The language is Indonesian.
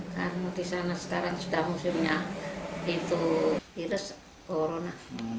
karena di sana sekarang sudah musimnya virus corona